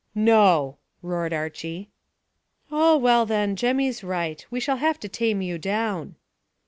"No!" roared Archy. "Oh, well then, Jemmy's right. We shall have to tame you down."